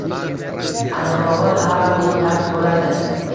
Aniqrogʻi ha bu dars boʻladi.